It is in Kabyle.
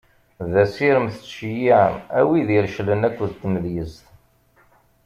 D asirem tettceyyiɛem a wid ireclen akked tmedyezt.